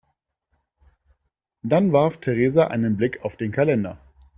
Dann warf Theresa einen Blick auf den Kalender.